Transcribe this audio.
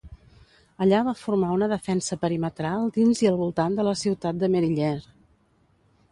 Allà va formar una defensa perimetral dins i al voltant de la ciutat de Meriller.